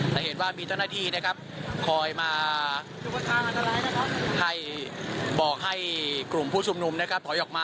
แต่เห็นว่ามีเจ้าหน้าที่คอยมาบอกให้กลุ่มผู้ชุมนุม